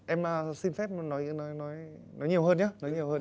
em xin phép nói nhiều hơn nhé